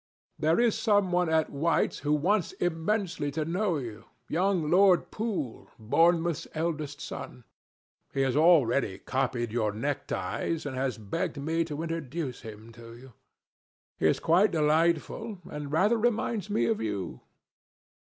There is some one at White's who wants immensely to know you—young Lord Poole, Bournemouth's eldest son. He has already copied your neckties, and has begged me to introduce him to you. He is quite delightful and rather reminds me of you."